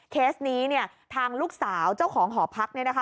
เคสนี้เนี่ยทางลูกสาวเจ้าของหอพักเนี่ยนะคะ